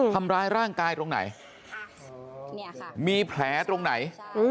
ทำร้ายร่างกายตรงไหนมีแผลตรงไหน